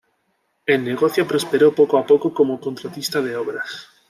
El negocio prosperó poco a poco como contratista de obras.